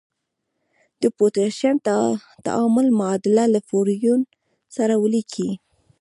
د پوتاشیم تعامل معادله له فلورین سره ولیکئ.